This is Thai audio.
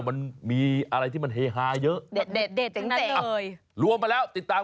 มันมีอะไรที่มันเฮฮาเยอะ